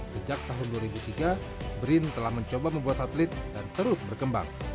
sejak tahun dua ribu tiga brin telah mencoba membuat satelit dan terus berkembang